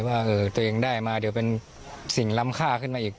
ว่าตัวเองได้มาเดี๋ยวเป็นสิ่งล้ำค่าขึ้นมาอีก